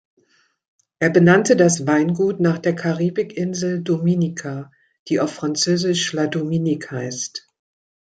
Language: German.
Er benannte das Weingut nach der Karibikinsel Dominica, die auf französisch "La Dominique" heißt.